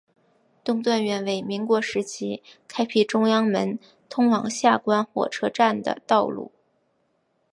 东段原为民国时期开辟中央门通往下关火车站的道路。